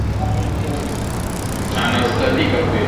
Kuna ukosekanaji wa maji salama mjini na vijijini